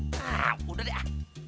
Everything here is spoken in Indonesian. nah udah deh